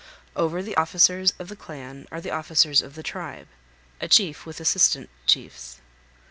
Over the officers of the clan are the officers of the tribe, a chief with assistant chiefs.